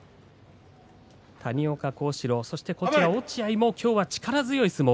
谷岡倖志郎そして落合もきょうは力強い相撲。